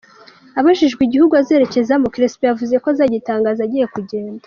Abajijwe igihugu azerekezamo, Crespo yavuze ko azagitangaza agiye kugenda.